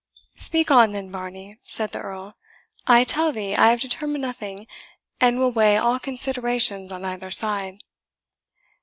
"Speak on, then, Varney," said the Earl; "I tell thee I have determined nothing, and will weigh all considerations on either side."